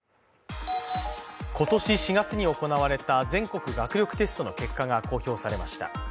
今年４月に行われた全国学力テストの結果が公表されました。